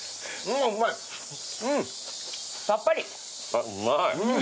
あっうまい。